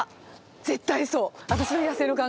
絶対そう。